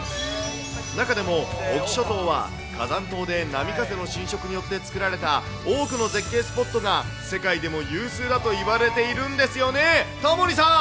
中でも隠岐諸島は、火山島で波風の浸食によって作られた多くの絶景スポットが世界でも有数だといわれているんですよね、タモリさん！